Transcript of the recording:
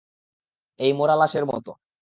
এই মরা লাশের মতো!